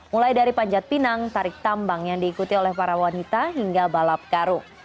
mulai dari panjat pinang tarik tambang yang diikuti oleh para wanita hingga balap karung